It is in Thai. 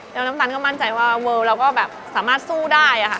แล้วน้ำตาลก็มั่นใจว่าเวิลเราก็แบบสามารถสู้ได้ค่ะ